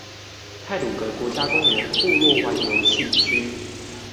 太魯閣國家公園布洛灣遊憩區